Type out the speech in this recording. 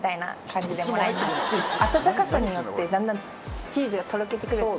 温かさによってだんだんチーズがとろけてくるんですよね。